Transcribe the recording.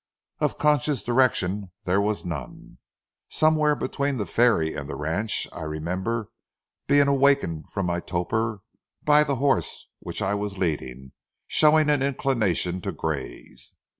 Of conscious direction there was none. Somewhere between the ferry and the ranch I remember being awakened from my torpor by the horse which I was leading showing an inclination to graze.